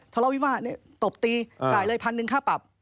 เถาเล่าวิบาตนี่จบตีจ่ายเลย๑๐๐๐ค่าปรับ